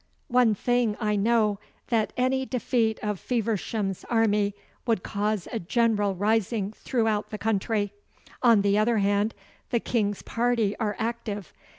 One thing I know, that any defeat of Feversham's army would cause a general rising throughout the country. On the other hand, the King's party are active.